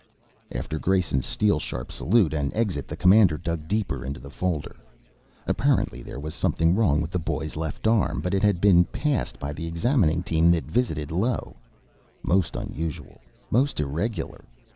After Grayson's steel sharp salute and exit the Commandant dug deeper into the folder. Apparently there was something wrong with the boy's left arm, but it had been passed by the examining team that visited Io. Most unusual. Most irregular.